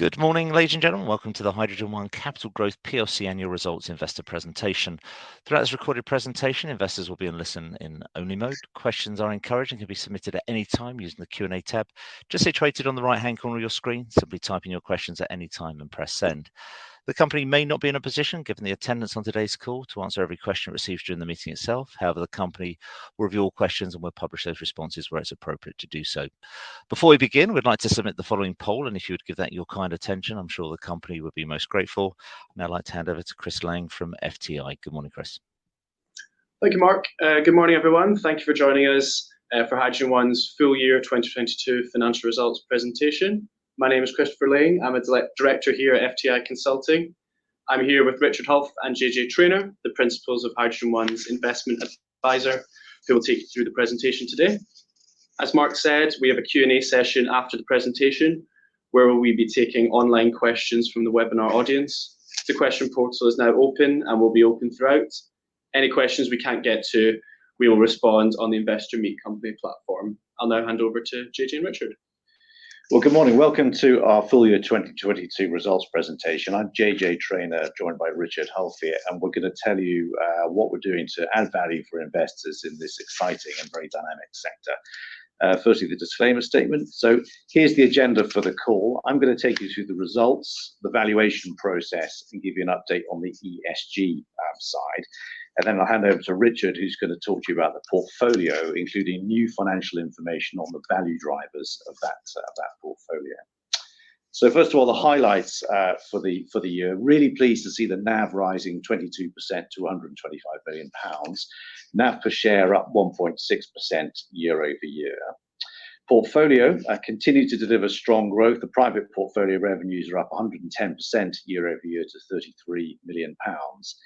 Good morning ladies and gentlemen. Welcome to the HydrogenOne Capital Growth plc annual results investor presentation. Throughout this recorded presentation, investors will be in listen in only mode. Questions are encouraged and can be submitted at any time using the Q&A tab just situated on the right-hand corner of your screen. Simply type in your questions at any time and press send. The company may not be in a position, given the attendance on today's call, to answer every question received during the meeting itself. However, the company will review all questions and will publish those responses where it's appropriate to do so. Before we begin, we'd like to submit the following poll, and if you would give that your kind attention, I'm sure the company would be most grateful. Now I'd like to hand over to Chris Laing from FTI. Good morning, Chris. Thank you, Mark. Good morning everyone. Thank you for joining us for HydrogenOne's full year 2022 financial results presentation. My name is Christopher Laing. I'm a director here at FTI Consulting. I'm here with Richard Hulf and JJ Traynor, the principals of HydrogenOne's investment advisor, who will take you through the presentation today. As Mark said, we have a Q&A session after the presentation where we will be taking online questions from the webinar audience. The question portal is now open and will be open throughout. Any questions we can't get to, we will respond on the investor meet company platform. I'll now hand over to JJ and Richard. Good morning. Welcome to our full year 2022 results presentation. I'm JJ Traynor, joined by Richard Hulf here, we're gonna tell you what we're doing to add value for investors in this exciting and very dynamic sector. Firstly, the disclaimer statement. Here's the agenda for the call. I'm gonna take you through the results, the valuation process, and give you an update on the ESG side. I'll hand over to Richard, who's gonna talk to you about the portfolio, including new financial information on the value drivers of that portfolio. First of all, the highlights for the year. Really pleased to see the NAV rising 22% to 125 billion pounds. NAV per share up 1.6% year-over-year. Portfolio continued to deliver strong growth. The private portfolio revenues are up 110% year-over-year to 33 million pounds.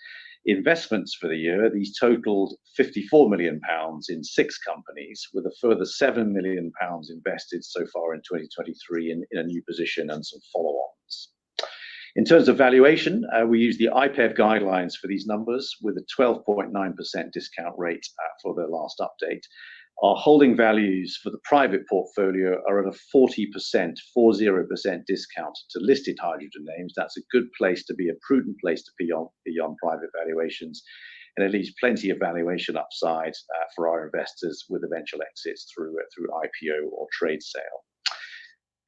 Investments for the year, these totaled 54 million pounds in six companies with a further 7 million pounds invested so far in 2023 in a new position and some follow-ons. In terms of valuation, we use the IPEV guidelines for these numbers with a 12.9% discount rate for their last update. Our holding values for the private portfolio are at a 40% discount to listed hydrogen names. That's a good place to be, a prudent place to be on private valuations and it leaves plenty of valuation upside for our investors with eventual exits through IPO or trade sale.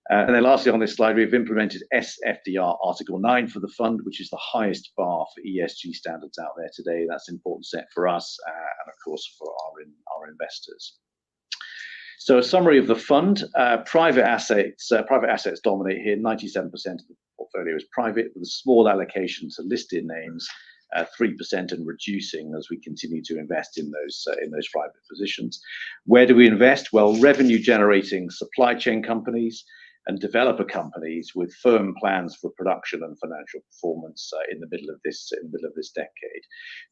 Lastly on this slide, we've implemented SFDR Article 9 for the fund, which is the highest bar for ESG standards out there today. That's important set for us, of course for our investors. A summary of the fund, private assets dominate here. 97% of the portfolio is private with a small allocation to listed names at 3% and reducing as we continue to invest in those private positions. Where do we invest? Revenue generating supply chain companies and developer companies with firm plans for production and financial performance in the middle of this decade.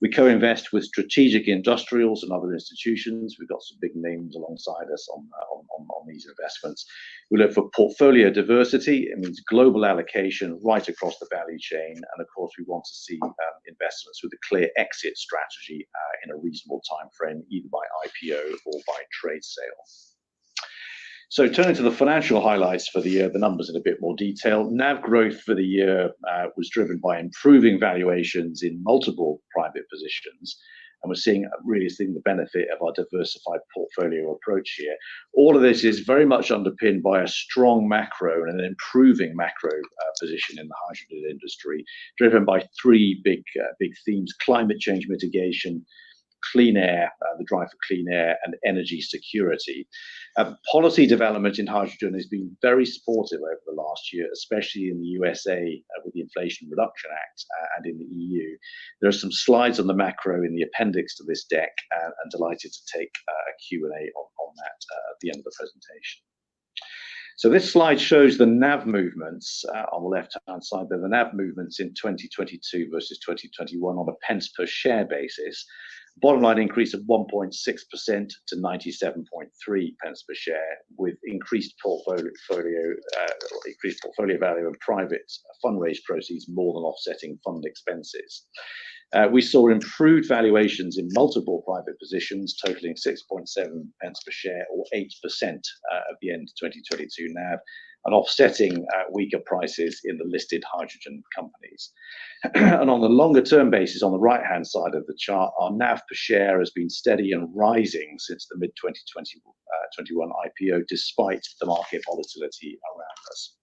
We co-invest with strategic industrials and other institutions. We've got some big names alongside us on these investments. We look for portfolio diversity. It means global allocation right across the value chain. Of course, we want to see investments with a clear exit strategy in a reasonable timeframe, either by IPO or by trade sale. Turning to the financial highlights for the year, the numbers in a bit more detail. NAV growth for the year was driven by improving valuations in multiple private positions, and we're really seeing the benefit of our diversified portfolio approach here. All of this is very much underpinned by a strong macro and an improving macro position in the hydrogen industry, driven by three big themes, climate change mitigation, clean air, the drive for clean air, and energy security. Policy development in hydrogen has been very supportive over the last year, especially in the U.S.A. with the Inflation Reduction Act and in the E.U. There are some slides on the macro in the appendix to this deck, and delighted to take a Q&A on that, at the end of the presentation. This slide shows the NAV movements, on the left-hand side there, the NAV movements in 2022 versus 2021 on a pence per share basis. Bottom line increase of 1.6% to 0.973 per share with increased portfolio, increased portfolio value of privates, fund raised proceeds more than offsetting fund expenses. We saw improved valuations in multiple private positions totaling 0.067 pounds per share or 8%, at the end of 2022 NAV and offsetting, weaker prices in the listed hydrogen companies. On the longer term basis, on the right-hand side of the chart, our NAV per share has been steady and rising since the mid 2020, 2021 IPO, despite the market volatility around us.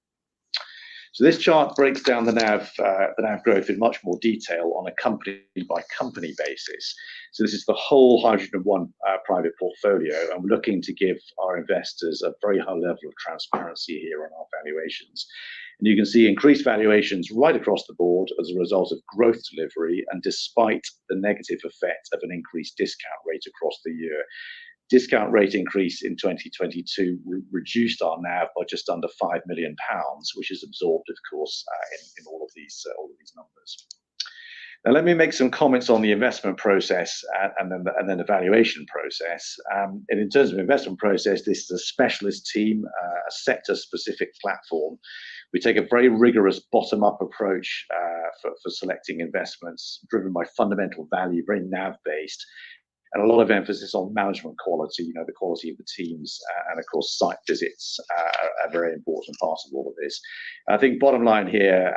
This chart breaks down the NAV, the NAV growth in much more detail on a company by company basis. This is the whole HydrogenOne private portfolio. I'm looking to give our investors a very high level of transparency here on our valuations. You can see increased valuations right across the board as a result of growth delivery and despite the negative effect of an increased discount rate across the year. Discount rate increase in 2022 reduced our NAV by just under 5 million pounds, which is absorbed of course, in all of these, all of these numbers. Let me make some comments on the investment process and then the valuation process. In terms of investment process, this is a specialist team, a sector specific platform. We take a very rigorous bottom-up approach for selecting investments driven by fundamental value, very NAV based. A lot of emphasis on management quality, you know, the quality of the teams, and of course, site visits are a very important part of all of this. I think bottom line here,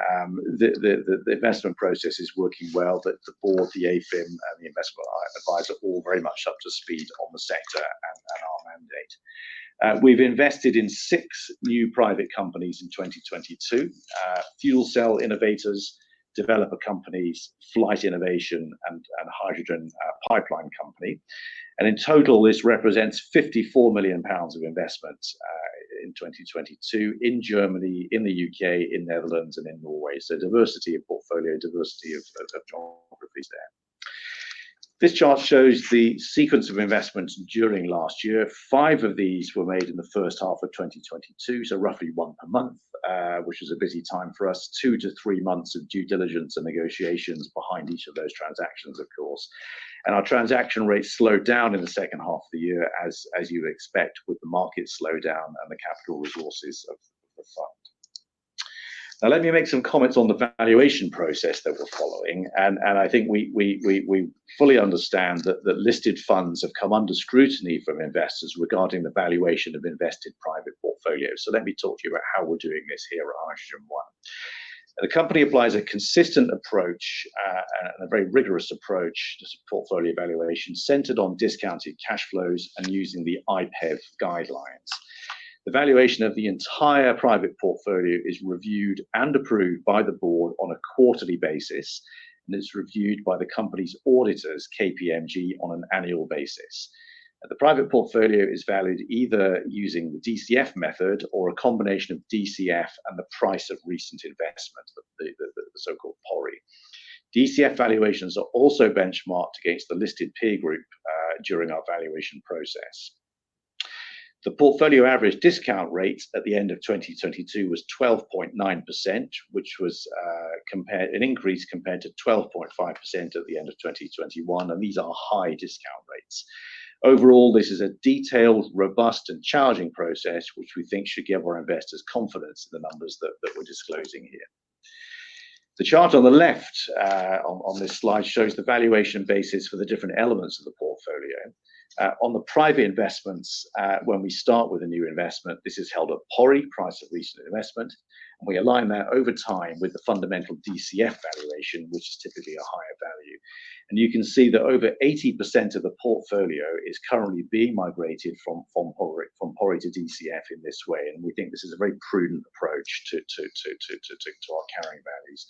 the investment process is working well, that the board, the AFIM, and the investment advisor are all very much up to speed on the sector and our mandate. We've invested in six new private companies in 2022. Fuel cell innovators, developer companies, flight innovation, and hydrogen pipeline company. In total, this represents 54 million pounds of investment in 2022 in Germany, in the U.K., in Netherlands, and in Norway. Diversity of portfolio, diversity of geographies there. This chart shows the sequence of investments during last year. Five of these were made in the first half of 2022, roughly one per month, which is a busy time for us. 2-3 months of due diligence and negotiations behind each of those transactions, of course. Our transaction rates slowed down in the second half of the year as you expect with the market slowdown and the capital resources of the fund. Let me make some comments on the valuation process that we're following. I think we fully understand that the listed funds have come under scrutiny from investors regarding the valuation of invested private portfolios. Let me talk to you about how we're doing this here at HydrogenOne. The company applies a consistent approach and a very rigorous approach to portfolio valuation centered on discounted cash flows and using the IPEV guidelines. The valuation of the entire private portfolio is reviewed and approved by the board on a quarterly basis, and it's reviewed by the company's auditors, KPMG, on an annual basis. The private portfolio is valued either using the DCF method or a combination of DCF and the price of recent investment, the so-called PORI. DCF valuations are also benchmarked against the listed peer group during our valuation process. The portfolio average discount rate at the end of 2022 was 12.9%, which was an increase compared to 12.5% at the end of 2021. These are high discount rates. Overall, this is a detailed, robust and challenging process which we think should give our investors confidence in the numbers that we're disclosing here. The chart on the left on this slide shows the valuation basis for the different elements of the portfolio. On the private investments, when we start with a new investment, this is held at PORI, price of recent investment. We align that over time with the fundamental DCF valuation, which is typically a higher value. You can see that over 80% of the portfolio is currently being migrated from PORI to DCF in this way. We think this is a very prudent approach to our carrying values.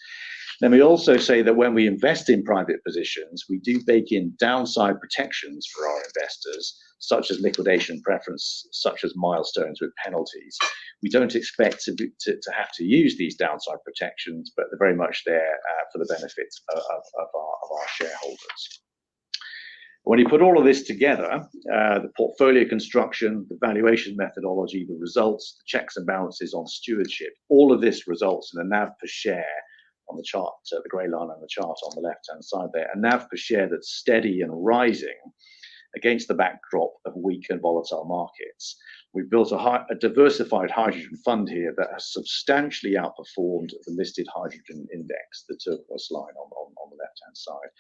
Let me also say that when we invest in private positions, we do bake in downside protections for our investors, such as liquidation preference, such as milestones with penalties. We don't expect to have to use these downside protections, but they're very much there for the benefit of our shareholders. When you put all of this together, the portfolio construction, the valuation methodology, the results, the checks and balances on stewardship, all of this results in a NAV per share on the chart. The gray line on the chart on the left-hand side there. A NAV per share that's steady and rising against the backdrop of weak and volatile markets. We've built a diversified hydrogen fund here that has substantially outperformed the listed hydrogen index, the top slide on the left-hand side.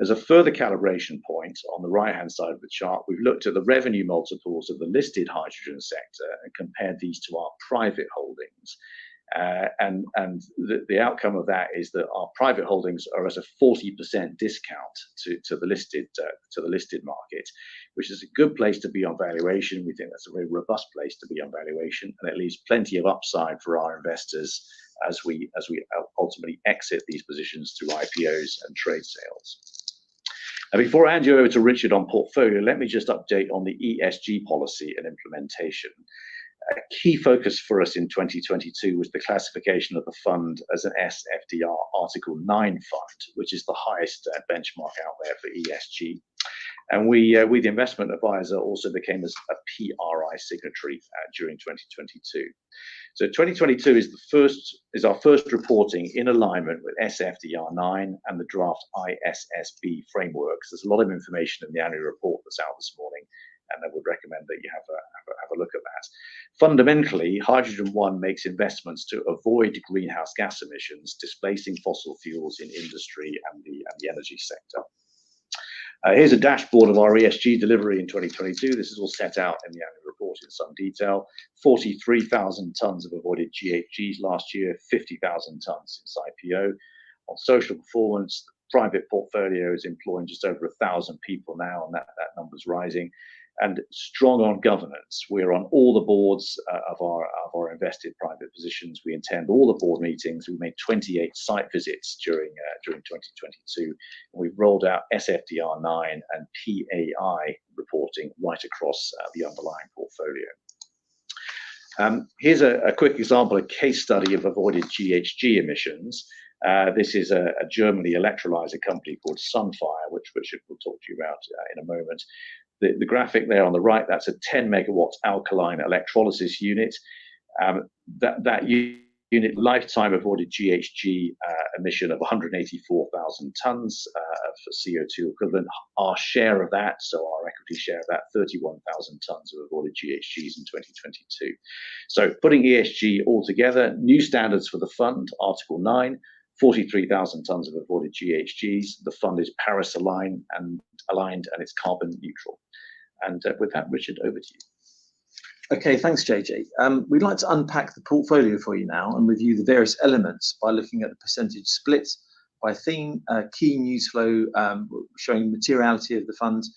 As a further calibration point, on the right-hand side of the chart, we've looked at the revenue multiples of the listed hydrogen sector and compared these to our private holdings. The outcome of that is that our private holdings are at a 40% discount to the listed market, which is a good place to be on valuation. We think that's a very robust place to be on valuation and it leaves plenty of upside for our investors as we ultimately exit these positions through IPOs and trade sales. Before I hand you over to Richard on portfolio, let me just update on the ESG policy and implementation. A key focus for us in 2022 was the classification of the fund as an SFDR Article 9 fund, which is the highest benchmark out there for ESG. We, the investment advisor, also became a PRI signatory during 2022. 2022 is our first reporting in alignment with SFDR 9 and the draft ISSB frameworks. There's a lot of information in the annual report that's out this morning. I would recommend that you have a look at that. Fundamentally, HydrogenOne makes investments to avoid greenhouse gas emissions, displacing fossil fuels in industry and the energy sector. Here's a dashboard of our ESG delivery in 2022. This is all set out in the annual report in some detail. 43,000 tons of avoided GHGs last year, 50,000 tons since IPO. On social performance, the private portfolio is employing just over 1,000 people now, and that number's rising. Strong on governance. We're on all the boards of our invested private positions. We attend all the board meetings. We made 28 site visits during 2022. We've rolled out SFDR 9 and PAI reporting right across the underlying portfolio. Here's a quick example, a case study of avoided GHG emissions. This is a Germany electrolyzer company called Sunfire, which Richard will talk to you about in a moment. The graphic there on the right, that's a 10MW alkaline electrolysis unit. That unit lifetime avoided GHG emission of 184,000 tons for CO2 equivalent. Our share of that, Equity share of about 31,000 tons of avoided GHGs in 2022. Putting ESG all together, new standards for the fund, Article 9, 43,000 tons of avoided GHGs. The fund is Paris-Aligned and it's carbon neutral. With that, Richard, over to you. Okay. Thanks, JJ. We'd like to unpack the portfolio for you now and review the various elements by looking at the percentage split by theme, key news flow, showing materiality of the funds,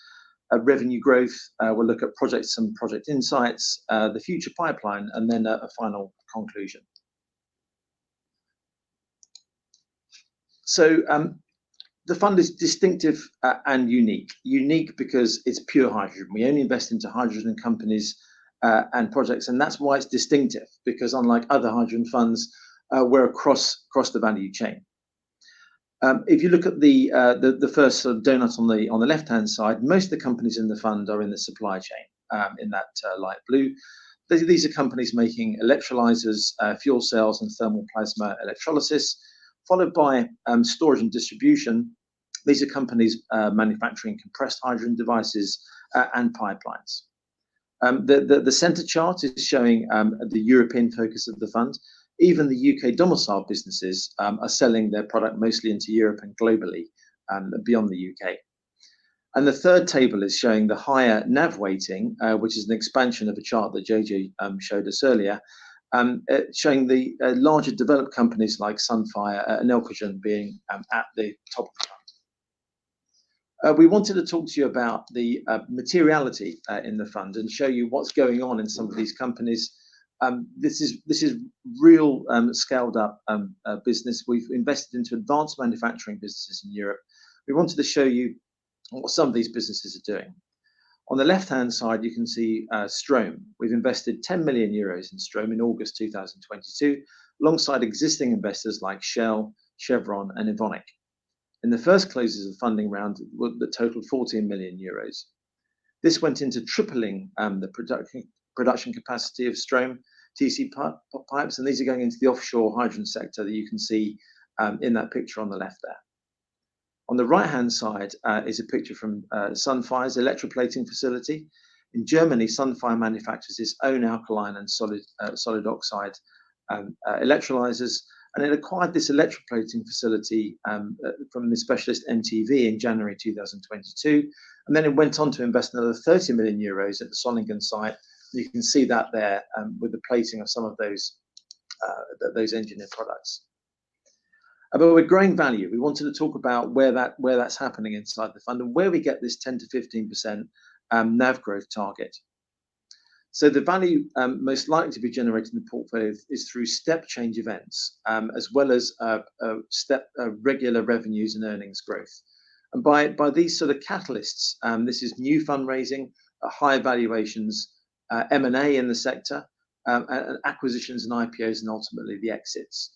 revenue growth. We'll look at projects and project insights, the future pipeline, and then a final conclusion. The fund is distinctive and unique. Unique because it's pure hydrogen. We only invest into hydrogen companies and projects, and that's why it's distinctive because unlike other hydrogen funds, we're across the value chain. If you look at the first sort of donut on the left-hand side, most of the companies in the fund are in the supply chain, in that light blue. These are companies making electrolyzers, fuel cells and thermal plasma electrolysis, followed by storage and distribution. These are companies manufacturing compressed hydrogen devices and pipelines. The center chart is showing the European focus of the fund. Even the UK domiciled businesses are selling their product mostly into Europe and globally beyond the UK. The third table is showing the higher NAV weighting, which is an expansion of a chart that JJ showed us earlier, showing the larger developed companies like Sunfire and Elcogen being at the top. We wanted to talk to you about the materiality in the fund and show you what's going on in some of these companies. This is real, scaled up business. We've invested into advanced manufacturing businesses in Europe. We wanted to show you what some of these businesses are doing. On the left-hand side, you can see Strohm. We've invested 10 million euros in Strohm in August 2022, alongside existing investors like Shell, Chevron and Evonik. In the first closes of funding round that totaled 14 million euros. This went into tripling the production capacity of Strohm TCP pipes, and these are going into the offshore hydrogen sector that you can see in that picture on the left there. On the right-hand side, is a picture from Sunfire's electroplating facility. In Germany, Sunfire manufactures its own alkaline and solid oxide electrolyzers, and it acquired this electroplating facility from the specialist NTV in January 2022. It went on to invest another 30 million euros at the Solingen site. You can see that there, with the plating of some of those engineered products. With growing value, we wanted to talk about where that's happening inside the fund and where we get this 10%-15% NAV growth target. The value most likely to be generated in the portfolio is through step change events, as well as regular revenues and earnings growth. By these sort of catalysts, this is new fundraising, high valuations, M&A in the sector, and acquisitions and IPOs and ultimately the exits.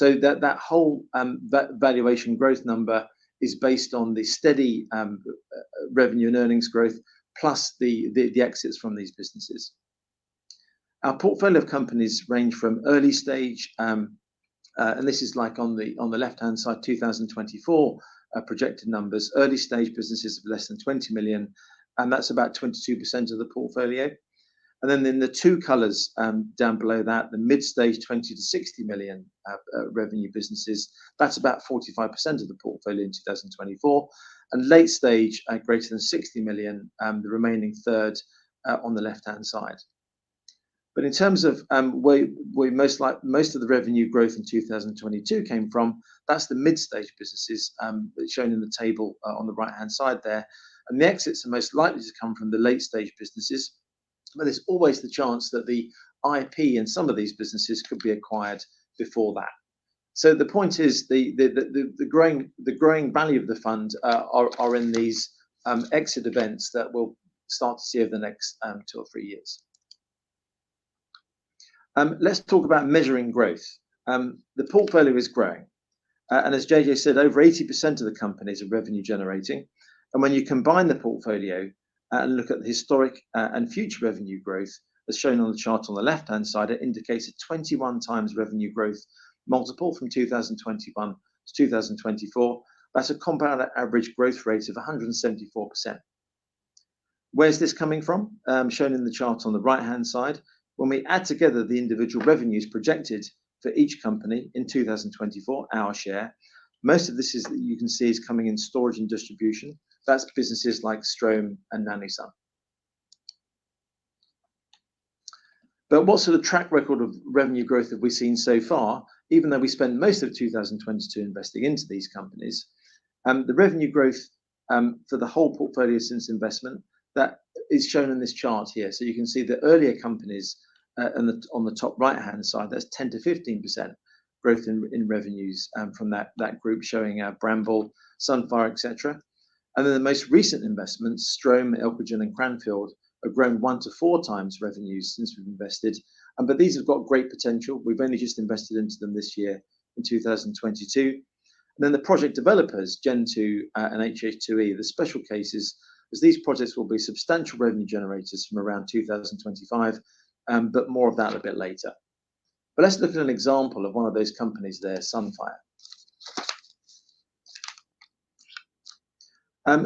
That whole valuation growth number is based on the steady revenue and earnings growth, plus the exits from these businesses. Our portfolio of companies range from early stage. This is like on the left-hand side, 2024, projected numbers. Early stage businesses of less than 20 million, and that's about 22% of the portfolio. In the two colors, down below that, the mid-stage, 20 million-60 million, revenue businesses. That's about 45% of the portfolio in 2024. Late stage at greater than 60 million, the remaining third, on the left-hand side. In terms of where most like most of the revenue growth in 2022 came from, that's the mid-stage businesses, shown in the table, on the right-hand side there. The exits are most likely to come from the late stage businesses. There's always the chance that the IP in some of these businesses could be acquired before that. The point is the growing value of the fund are in these exit events that we'll start to see over the next two or three years. Let's talk about measuring growth. The portfolio is growing. As JJ said, over 80% of the companies are revenue generating. When you combine the portfolio and look at the historic and future revenue growth, as shown on the chart on the left-hand side, it indicates a 21x revenue growth multiple from 2021 to 2024. That's a compounded average growth rate of 174%. Where is this coming from? Shown in the chart on the right-hand side. When we add together the individual revenues projected for each company in 2024, our share, most of this is you can see is coming in storage and distribution. That's businesses like Strohm and NanoSUN. What sort of track record of revenue growth have we seen so far, even though we spent most of 2022 investing into these companies? The revenue growth for the whole portfolio since investment, that is shown in this chart here. You can see the earlier companies on the top right-hand side, there's 10%-15% growth in revenues from that group showing Bramble, Sunfire, et cetera. Then the most recent investments, Strohm, Elcogen, and Cranfield, have grown 1x-4x revenues since we've invested. These have got great potential. We've only just invested into them this year in 2022. The project developers, Gen2, and HH2E, the special cases is these projects will be substantial revenue generators from around 2025, but more of that a bit later. Let's look at an example of one of those companies there, Sunfire.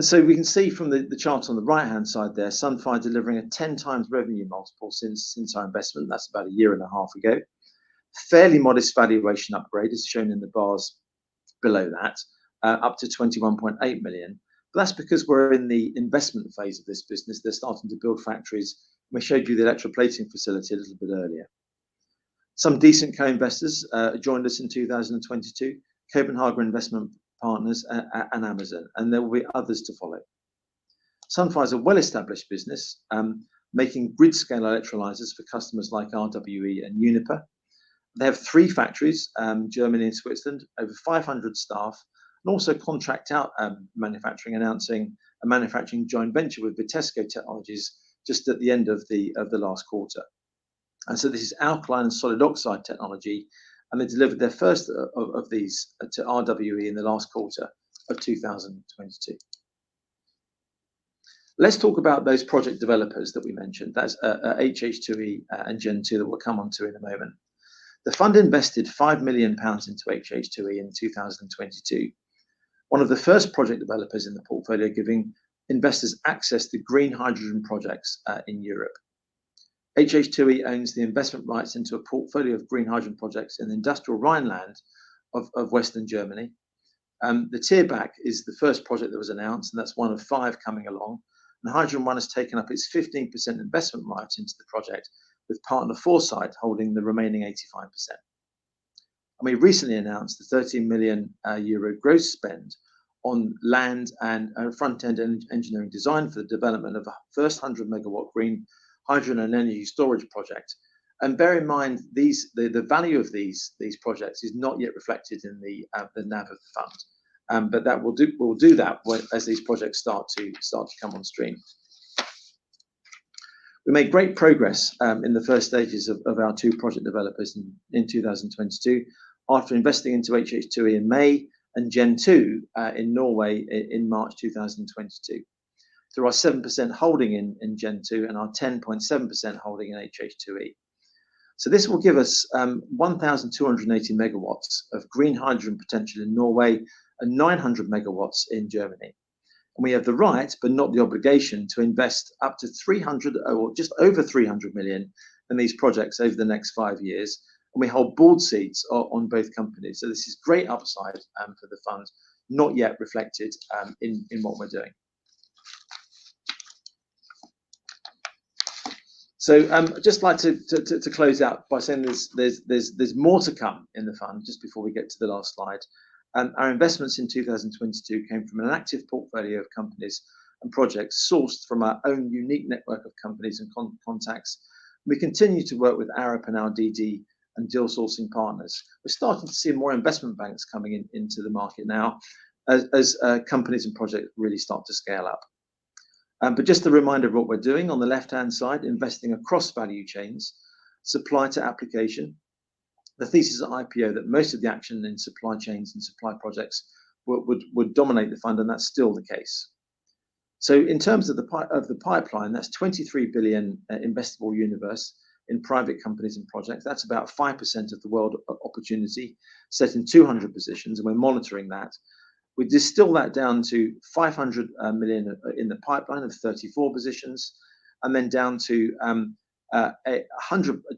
So we can see from the chart on the right-hand side there, Sunfire delivering a 10x revenue multiple since our investment. That's about a year and a half ago. Fairly modest valuation upgrade, as shown in the bars below that, up to 21.8 million. That's because we're in the investment phase of this business. They're starting to build factories. We showed you the electroplating facility a little bit earlier. Some decent co-investors joined us in 2022, Copenhagen Infrastructure Partners and Amazon, and there will be others to follow. Sunfire's a well-established business, making grid-scale electrolyzers for customers like RWE and Uniper. They have 3 factories, Germany and Switzerland, over 500 staff, and also contract out manufacturing, announcing a manufacturing joint venture with Vitesco Technologies just at the end of the last quarter. This is alkaline solid oxide technology, and they delivered their first of these to RWE in the last quarter of 2022. Let's talk about those project developers that we mentioned. That's HH2E and Gen2 that we'll come onto in a moment. The fund invested 5 million pounds into HH2E in 2022, one of the first project developers in the portfolio giving investors access to green hydrogen projects in Europe. HH2E owns the investment rights into a portfolio of green hydrogen projects in the industrial Rhineland of Western Germany. The Thierbach is the first project that was announced, and that's one of five coming along. HydrogenOne has taken up its 15% investment rights into the project, with partner Foresight holding the remaining 85%. We recently announced a 30 million euro gross spend on land and front-end engineering design for the development of a first 100 MW green hydrogen and energy storage project. Bear in mind the value of these projects is not yet reflected in the NAV of the fund. That will do that when, as these projects start to come on stream. We made great progress in the first stages of our two project developers in 2022 after investing into HH2E in May and Gen2 in Norway in March 2022. Through our 7% holding in Gen2 and our 10.7% holding in HH2E. This will give us 1,280 megawatts of green hydrogen potential in Norway and 900 megawatts in Germany. We have the right, but not the obligation, to invest up to 300 or just over 300 million in these projects over the next 5 years, and we hold board seats on both companies. This is great upside for the fund not yet reflected in what we're doing. I'd just like to close out by saying there's more to come in the fund just before we get to the last slide. Our investments in 2022 came from an active portfolio of companies and projects sourced from our own unique network of companies and contacts. We continue to work with Arup and RDD and deal sourcing partners. We're starting to see more investment banks coming into the market now as companies and projects really start to scale up. Just a reminder of what we're doing. On the left-hand side, investing across value chains, supply to application. The thesis at IPO that most of the action in supply chains and supply projects would dominate the fund, and that's still the case. In terms of the pipeline, that's 23 billion investable universe in private companies and projects. That's about 5% of the world opportunity set in 200 positions, and we're monitoring that. We distill that down to 500 million in the pipeline of 34 positions, and then down to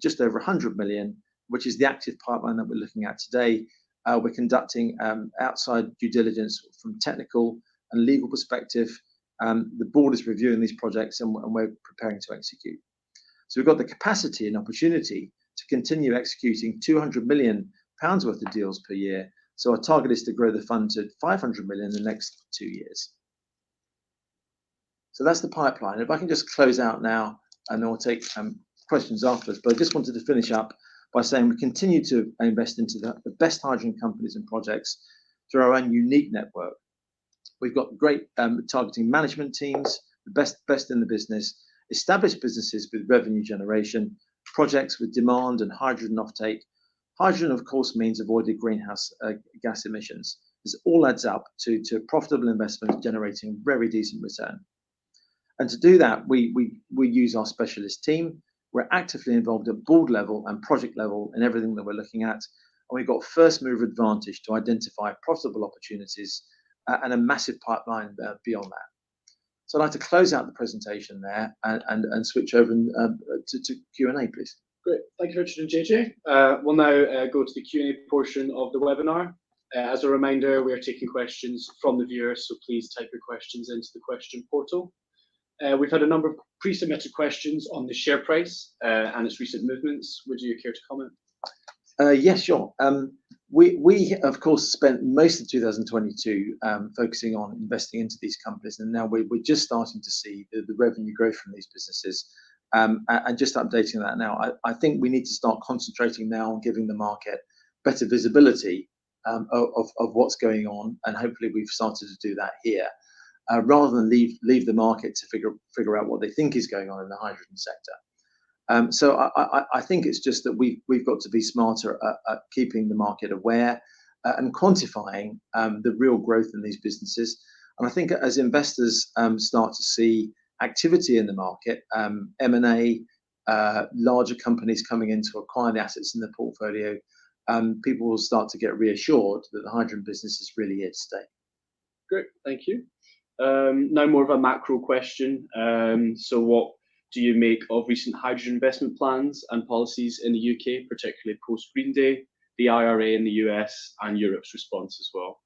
just over 100 million, which is the active pipeline that we're looking at today. We're conducting outside due diligence from technical and legal perspective. The board is reviewing these projects and we're preparing to execute. We've got the capacity and opportunity to continue executing 200 million pounds worth of deals per year. Our target is to grow the fund to 500 million in the next 2 years. That's the pipeline. If I can just close out now, and then we'll take questions afterwards. I just wanted to finish up by saying we continue to invest into the best hydrogen companies and projects through our own unique network. We've got great targeting management teams, the best in the business, established businesses with revenue generation, projects with demand and hydrogen offtake. Hydrogen, of course, means avoided greenhouse gas emissions. This all adds up to a profitable investment generating very decent return. To do that, we use our specialist team. We're actively involved at board level and project level in everything that we're looking at. We've got first-mover advantage to identify profitable opportunities and a massive pipeline beyond that. I'd like to close out the presentation there and switch over to Q&A, please. Great. Thank you, Richard and JJ. We'll now go to the Q&A portion of the webinar. As a reminder, we are taking questions from the viewers, so please type your questions into the question portal. We've had a number of pre-submitted questions on the share price and its recent movements. Would you care to comment? Yes, sure. We of course, spent most of 2022, focusing on investing into these companies, and now we're just starting to see the revenue growth from these businesses. Just updating that now. I think we need to start concentrating now on giving the market better visibility of what's going on, and hopefully we've started to do that here, rather than leave the market to figure out what they think is going on in the hydrogen sector. I think it's just that we've got to be smarter at keeping the market aware, and quantifying the real growth in these businesses. I think as investors start to see activity in the market, M&A, larger companies coming in to acquire the assets in the portfolio, people will start to get reassured that the hydrogen business is really here to stay. Great. Thank you. Now more of a macro question. What do you make of recent hydrogen investment plans and policies in the UK, particularly post-Green Deal, the IRA in the US, and Europe's response as well?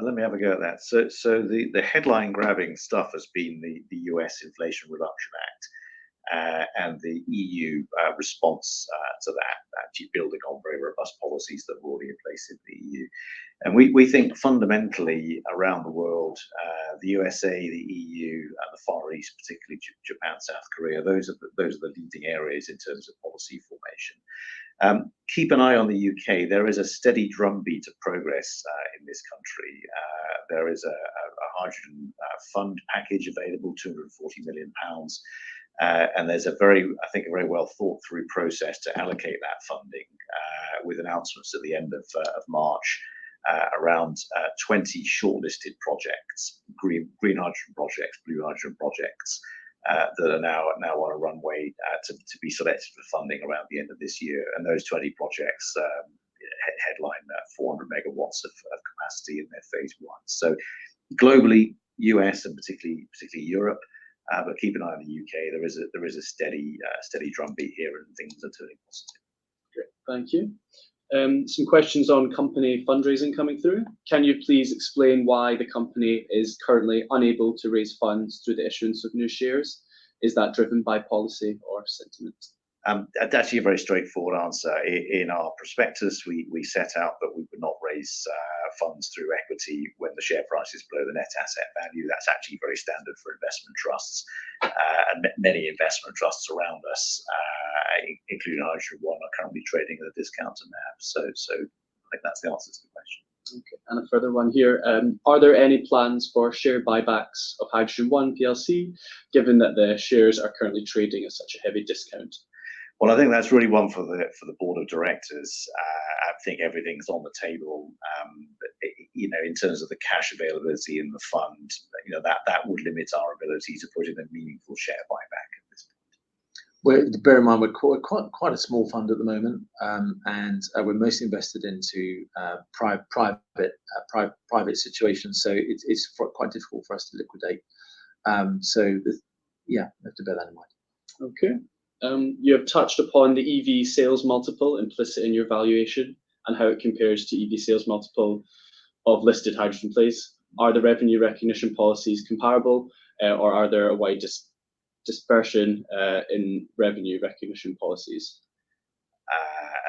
Let me have a go at that. The headline grabbing stuff has been the U.S. Inflation Reduction Act and the E.U. response to that, actually building on very robust policies that were already in place in the EU. We think fundamentally around the world, the U.S.A., the E.U., and the Far East, particularly Japan, South Korea, those are the leading areas in terms of policy formation. Keep an eye on the U.K. There is a steady drumbeat of progress in this country. There is a hydrogen fund package available, 240 million pounds. There's a very, I think, a very well thought through process to allocate that funding, with announcements at the end of March, around 20 shortlisted projects, green hydrogen projects, blue hydrogen projects, that are now on a runway, to be selected for funding around the end of this year. Those 20 projects, headline that 400MW of capacity in their phase 1. Globally, U.S. and particularly Europe, but keep an eye on the U.K. There is a steady drumbeat here, and things are turning positive. Great. Thank you. Some questions on company fundraising coming through. Can you please explain why the company is currently unable to raise funds through the issuance of new shares? Is that driven by policy or sentiment? That's actually a very straightforward answer. In our prospectus, we set out that we would not raise funds through equity when the share price is below the net asset value. That's actually very standard for investment trusts. Many investment trusts around us, including HydrogenOne, are currently trading at a discount to NAV. I think that's the answer to the question. Okay. Are there any plans for share buybacks of HydrogenOne plc, given that their shares are currently trading at such a heavy discount? Well, I think that's really one for the board of directors. I think everything's on the table. You know, in terms of the cash availability and the fund, you know, that would limit our ability to put in a meaningful share buyback at this point. Well, bear in mind, we're quite a small fund at the moment. We're mostly invested into private situations, it's quite difficult for us to liquidate. Yeah, you have to bear that in mind. Okay. You have touched upon the EV sales multiple implicit in your valuation and how it compares to EV sales multiple of listed hydrogen plays. Are the revenue recognition policies comparable, or are there a wide dispersion in revenue recognition policies?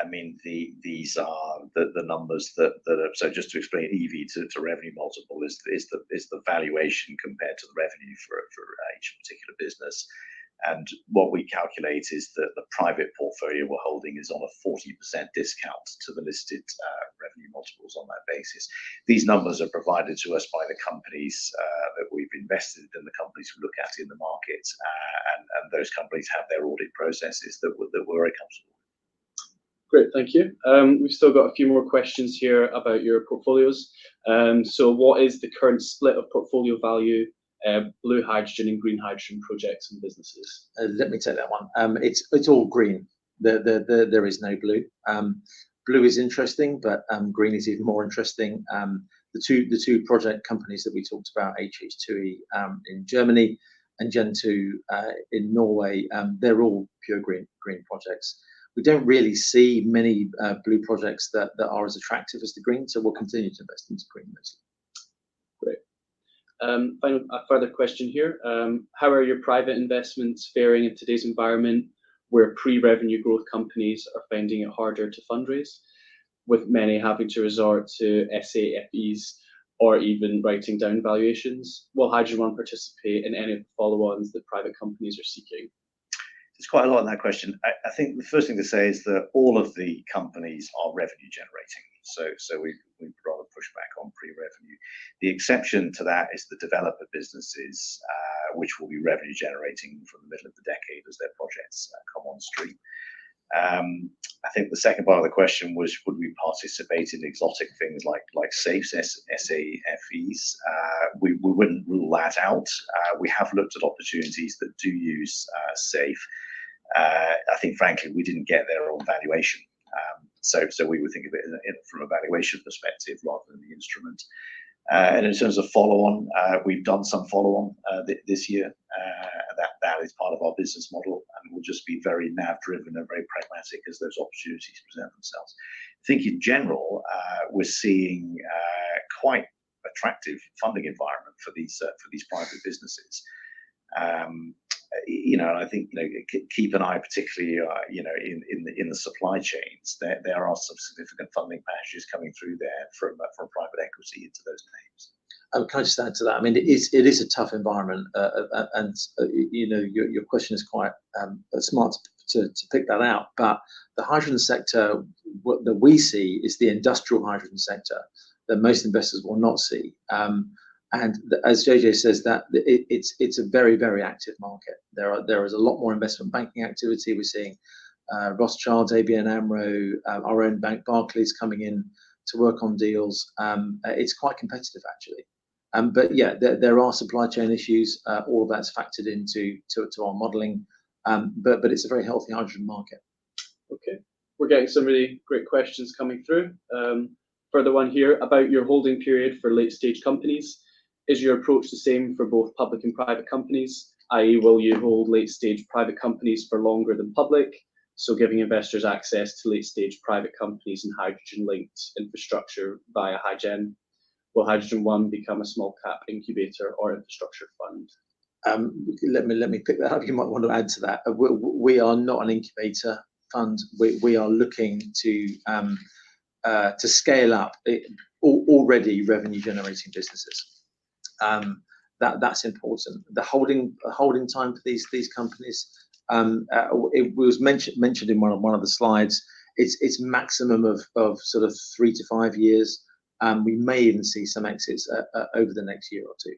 I mean, these are the numbers that are. Just to explain, EV to revenue multiple is the valuation compared to the revenue for each particular business. What we calculate is that the private portfolio we're holding is on a 40% discount to the listed revenue multiples on that basis. These numbers are provided to us by the companies that we've invested in, the companies we look at in the market, and those companies have their audit processes that we're very comfortable with. Great. Thank you. We've still got a few more questions here about your portfolios. What is the current split of portfolio value, blue hydrogen and green hydrogen projects and businesses? Let me take that one. It's all green. There is no blue. Blue is interesting, but green is even more interesting. The two project companies that we talked about, HH2E, in Germany and Gen2, in Norway, they're all pure green projects. We don't really see many blue projects that are as attractive as the green, so we'll continue to invest into green. Great. A further question here. How are your private investments faring in today's environment where pre-revenue growth companies are finding it harder to fundraise, with many having to resort to SAFEs or even writing down valuations? Will HydrogenOne participate in any of the follow-ons that private companies are seeking? There's quite a lot in that question. I think the first thing to say is that all of the companies are revenue generating. We'd rather push back on pre-revenue. The exception to that is the developer businesses, which will be revenue generating from the middle of the decade as their projects come on stream. I think the second part of the question was, would we participate in exotic things like SAFEs? We wouldn't rule that out. We have looked at opportunities that do use SAFE. I think frankly, we didn't get their own valuation. We would think of it in, from a valuation perspective rather than the instrument. In terms of follow-on, we've done some follow-on this year. That is part of our business model. We'll just be very NAV driven and very pragmatic as those opportunities present themselves. I think in general, we're seeing a quite attractive funding environment for these private businesses. You know, and I think, you know, keep an eye particularly, you know, in the supply chains. There are some significant funding packages coming through there from private equity into those names. Can I just add to that? I mean, it is a tough environment. You know, your question is quite smart to pick that out. The hydrogen sector that we see is the industrial hydrogen sector that most investors will not see. As JJ says, it's a very active market. There is a lot more investment banking activity. We're seeing Rothschild, ABN AMRO, our own bank, Barclays, coming in to work on deals. It's quite competitive actually. Yeah, there are supply chain issues. All that's factored into our modeling. But it's a very healthy hydrogen market. Okay. We're getting some really great questions coming through. Further one here about your holding period for late-stage companies. Is your approach the same for both public and private companies, i.e., will you hold late-stage private companies for longer than public, so giving investors access to late-stage private companies and hydrogen-linked infrastructure via HyGen? Will HydrogenOne become a small cap incubator or infrastructure fund? Let me pick that up. You might want to add to that. We are not an incubator fund. We are looking to scale up already revenue-generating businesses. That's important. The holding time for these companies, it was mentioned in one of the slides. It's maximum of sort of 3-5 years. We may even see some exits over the next year or two.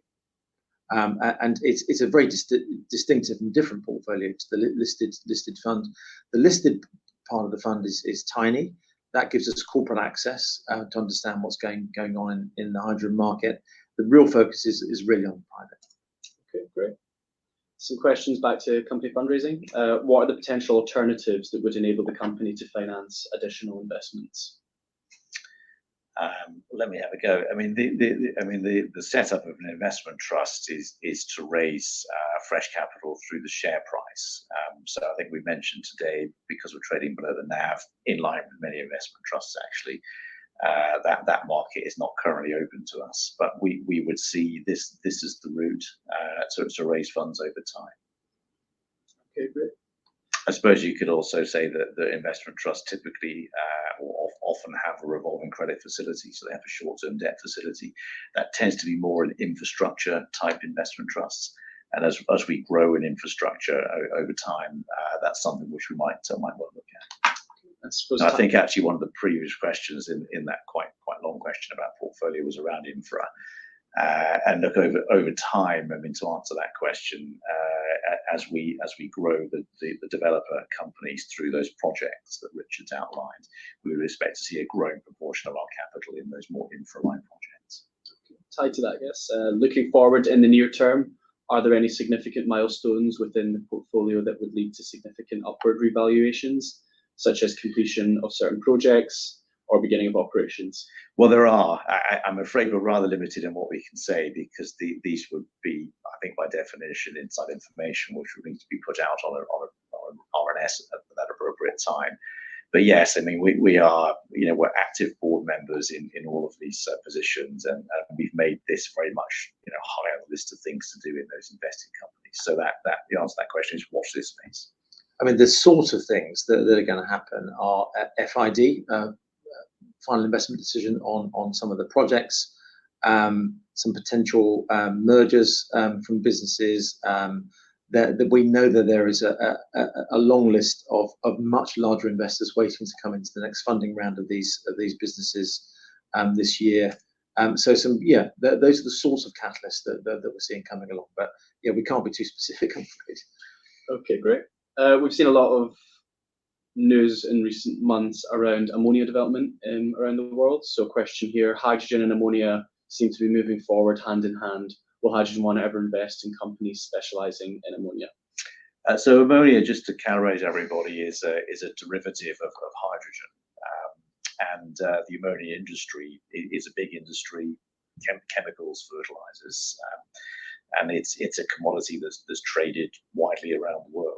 It's a very distinctive and different portfolio to the listed fund. The listed part of the fund is tiny. That gives us corporate access to understand what's going on in the hydrogen market. The real focus is really on private. Okay. Great. Some questions back to company fundraising. What are the potential alternatives that would enable the company to finance additional investments? Let me have a go. I mean, the setup of an investment trust is to raise fresh capital through the share price. I think we mentioned today because we're trading below the NAV, in line with many investment trusts actually, that market is not currently open to us. We would see this is the route to raise funds over time. Okay, great. I suppose you could also say that the investment trust typically, often have a revolving credit facility, so they have a short-term debt facility. That tends to be more in infrastructure type investment trusts. As we grow in infrastructure over time, that's something which we might well look at. I suppose- I think actually one of the previous questions in that quite long question about portfolio was around infra. Look over time, I mean, to answer that question, as we grow the developer companies through those projects that Richard's outlined, we would expect to see a growing proportion of our capital in those more infra-like projects. Tied to that, I guess, looking forward in the near term, are there any significant milestones within the portfolio that would lead to significant upward revaluations such as completion of certain projects or beginning of operations? Well, there are. I'm afraid we're rather limited in what we can say because these would be, I think by definition, inside information which would need to be put out on RNS at that appropriate time. Yes, I mean, we are, you know, we're active board members in all of these positions and we've made this very much, you know, high on the list of things to do in those invested companies. The answer to that question is watch this space. I mean, the sort of things that are gonna happen are FID, final investment decision on some of the projects. Some potential mergers from businesses that we know that there is a long list of much larger investors waiting to come into the next funding round of these businesses, this year. Yeah, those are the sort of catalysts that we're seeing coming along. Yeah, we can't be too specific, I'm afraid. Okay, great. We've seen a lot of news in recent months around ammonia development, around the world. A question here, hydrogen and ammonia seem to be moving forward hand in hand. Will HydrogenOne ever invest in companies specializing in ammonia? Ammonia, just to calibrate everybody, is a derivative of hydrogen. The ammonia industry is a big industry. Chemicals, fertilizers, and it's a commodity that's traded widely around the world.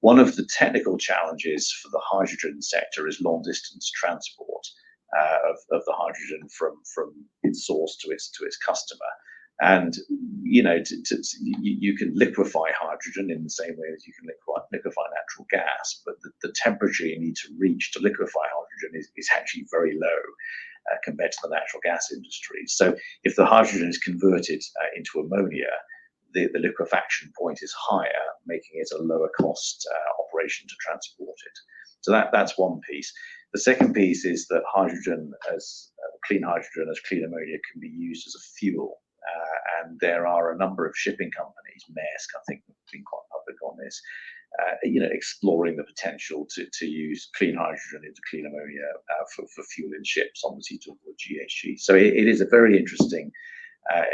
One of the technical challenges for the hydrogen sector is long distance transport of the hydrogen from its source to its customer. You know, to. You can liquefy hydrogen in the same way as you can liquefy natural gas, but the temperature you need to reach to liquefy hydrogen is actually very low compared to the natural gas industry. If the hydrogen is converted into ammonia, the liquefaction point is higher, making it a lower cost operation to transport it. That's one piece. The second piece is that hydrogen as clean hydrogen, as clean ammonia can be used as a fuel. There are a number of shipping companies, Maersk I think have been quite public on this, you know, exploring the potential to use clean hydrogen into clean ammonia for fuel in ships. Obviously, talk about GHG. It is a very interesting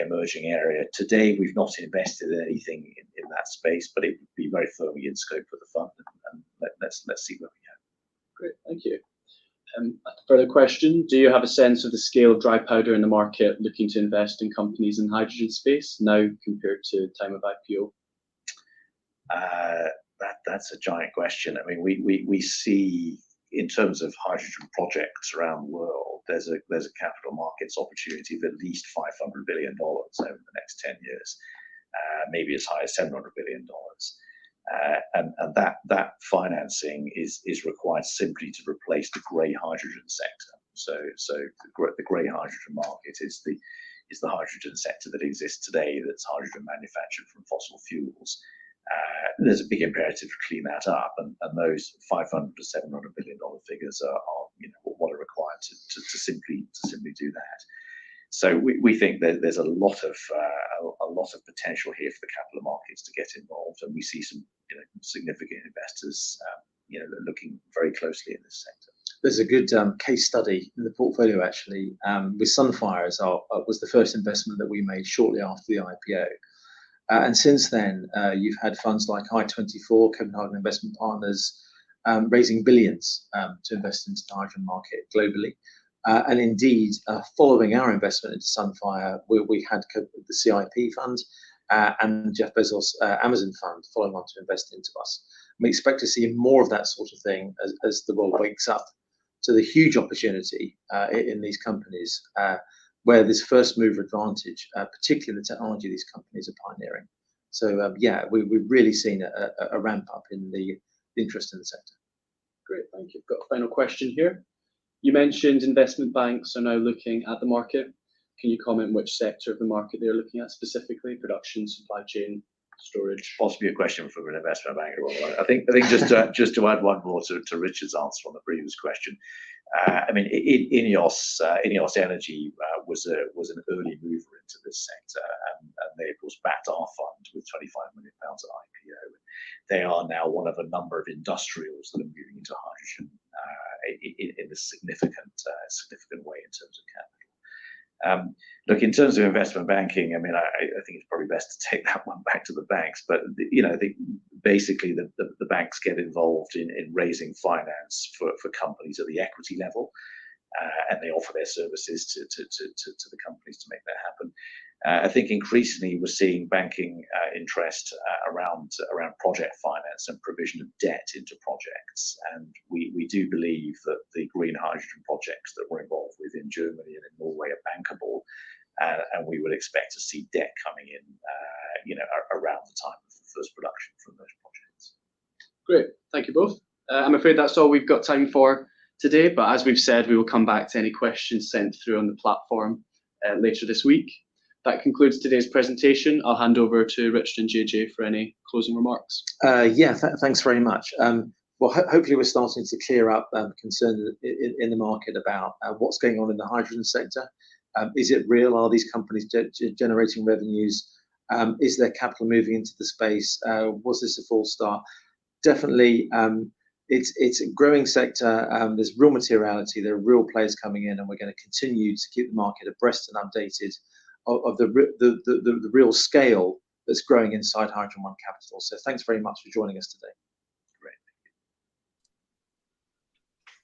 emerging area. Today, we've not invested anything in that space, but it would be very firmly in scope for the fund and let's see where we go. Great. Thank you. Further question. Do you have a sense of the scale of dry powder in the market looking to invest in companies in hydrogen space now compared to time of IPO? That's a giant question. I mean, we see in terms of hydrogen projects around the world, there's a capital markets opportunity of at least $500 billion over the next 10 years. Maybe as high as $700 billion. That financing is required simply to replace the gray hydrogen sector. The gray hydrogen market is the hydrogen sector that exists today that's hydrogen manufactured from fossil fuels. There's a big imperative to clean that up and those $500 billion-$700 billion figures are, you know, what are required to simply do that. We think there's a lot of potential here for the capital markets to get involved and we see some significant investors that are looking very closely in this sector. There's a good case study in the portfolio actually, with Sunfire was the first investment that we made shortly after the IPO. And since then, you've had funds like Hy24, Carbon Investment Partners, raising billions to invest into the hydrogen market globally. And indeed, following our investment into Sunfire, we had the CIP funds and Jeff Bezos Amazon fund following on to invest into us. We expect to see more of that sort of thing as the world wakes up to the huge opportunity in these companies, where there's first mover advantage, particularly the technology these companies are pioneering. Yeah, we've really seen a ramp-up in the interest in the sector. Great. Thank you. Got a final question here. You mentioned investment banks are now looking at the market. Can you comment which sector of the market they're looking at specifically, production, supply chain, storage? Possibly a question for an investment banker. I think just to add one more to Richard's answer on the previous question. I mean, INEOS Energy was an early mover into this sector and they, of course, backed our fund with 25 million pounds at IPO. They are now one of a number of industrials that are moving into hydrogen in a significant way in terms of capital. Look, in terms of investment banking, I mean, I think it's probably best to take that one back to the banks. You know, basically the banks get involved in raising finance for companies at the equity level and they offer their services to the companies to make that happen. I think increasingly we're seeing banking interest around project finance and provision of debt into projects. We do believe that the green hydrogen projects that we're involved with in Germany and in Norway are bankable. We would expect to see debt coming in around the time of the first production from those projects. Great. Thank you both. I'm afraid that's all we've got time for today, but as we've said, we will come back to any questions sent through on the platform, later this week. That concludes today's presentation. I'll hand over to Richard and JJ for any closing remarks. Yeah. Thanks very much. Well, hopefully we're starting to clear up concern in the market about what's going on in the hydrogen sector. Is it real? Are these companies generating revenues? Is there capital moving into the space? Was this a false start? Definitely, it's a growing sector. There's real materiality. There are real players coming in, we're gonna continue to keep the market abreast and updated of the real scale that's growing inside HydrogenOne Capital. Thanks very much for joining us today. Great. Thank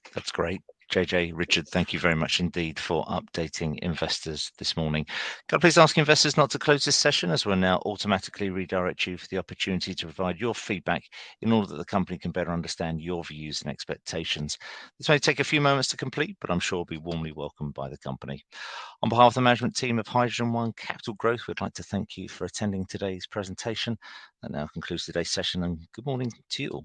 you. That's great. JJ, Richard, thank you very much indeed for updating investors this morning. Can I please ask investors not to close this session as we'll now automatically redirect you for the opportunity to provide your feedback in order that the company can better understand your views and expectations. This may take a few moments to complete, but I'm sure it'll be warmly welcomed by the company. On behalf of the management team of HydrogenOne Capital Growth, we'd like to thank you for attending today's presentation. That now concludes today's session, and good morning to you all.